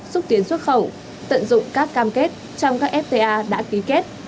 xúc tiến xuất khẩu tận dụng các cam kết trong các fta đã ký kết